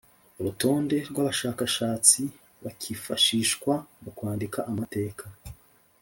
Urutonde rw abashakashatsi bakifashishwa mu kwandika amateka